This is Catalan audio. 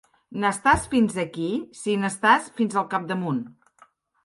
N'estàs fins aquí si n'estàs fins al capdamunt.